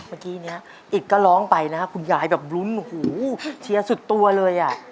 เมื่อกี้เนี้ยอิตก็ร้องไปน่ะคุณยายแบบรุ้นหูเชียวสุดตัวเลยอ่ะ